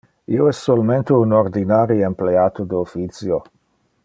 Io es solmente un ordinari empleato de officio.